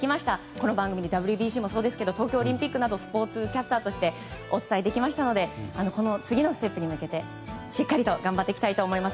この番組にＷＢＣでもそうですが東京オリンピックなどスポーツキャスターとしてお伝えできましたのでこの次のステップに向けてしっかり頑張っていきたいと思います。